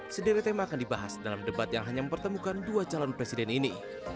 sederet tema akan dibahas dalam debat yang hanya mempertemukan dua calon presiden ini